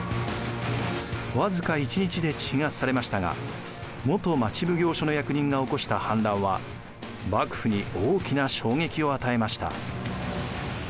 僅か１日で鎮圧されましたが元町奉行所の役人が起こした反乱は幕府に大きな衝撃を与えました。